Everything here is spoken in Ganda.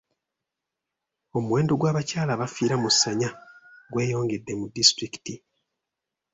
Omuwendo gw'abakyala abafiira mu ssanya gweyongedde mu disitulikiti.